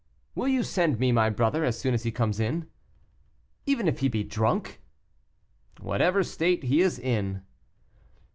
"Will you send me my brother as soon as he comes in." "Even if he be drunk?" "Whatever state he is in."